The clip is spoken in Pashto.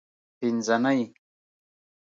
پینځنۍ